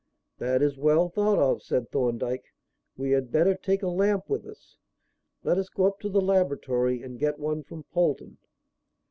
"That is well thought of," said Thorndyke. "We had better take a lamp with us. Let us go up to the laboratory and get one from Polton."